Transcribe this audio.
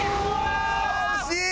惜しい！